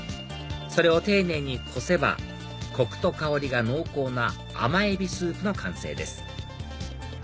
それを丁寧にこせばコクと香りが濃厚な甘エビスープの完成です